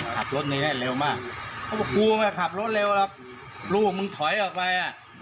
ขับรถนี้แน่งเร็วมากเพราะว่าครูแกขับรถเร็วอะไรลูกมึงถอยออกไป